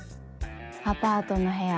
アパートの部屋